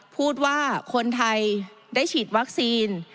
พูดว่าคนไทยได้ฉีดวัคซีน